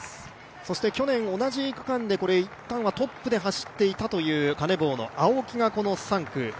そして去年、同じ区間でいったんはトップで走っていたというカネボウの青木が３区。